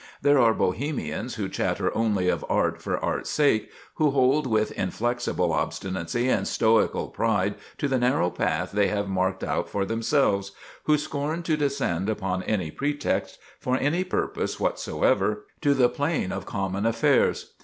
There are Bohemians who chatter only of "art for art's sake," who hold with inflexible obstinacy and stoical pride to the narrow path they have marked out for themselves, who scorn to descend, upon any pretext, for any purpose whatsoever, to the plane of common affairs.